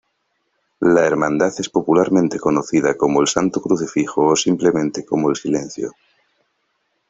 La hermandad es popularmente conocida como "el Santo Crucifijo" o simplemente como "el Silencio".